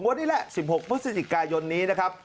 มวดนี้แหละ๑๖พฤษฎิกายนี้นะครับ